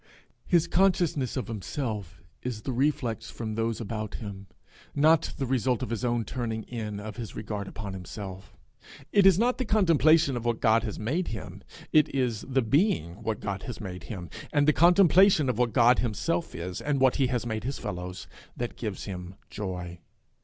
His consciousness of himself is the reflex from those about him, not the result of his own turning in of his regard upon himself. It is not the contemplation of what God has made him, it is the being what God has made him, and the contemplation of what God himself is, and what he has made his fellows, that gives him his joy.